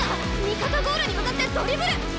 味方ゴールに向かってドリブル！